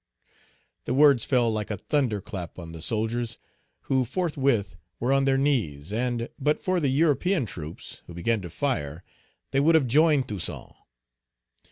The words fell like a thunder clap on the soldiers; who forthwith were on their knees, and, but for the European troops, who began to fire, they would have joined Toussaint.